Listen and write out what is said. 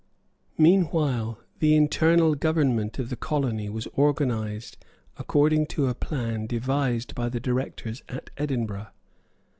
Meanwhile the internal government of the colony was organised according to a plan devised by the directors at Edinburgh.